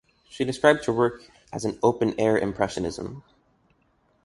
She described her work as "open air impressionism".